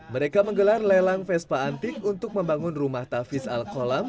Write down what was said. mereka menggelar lelang vespa antik untuk membangun rumah tafis al kolam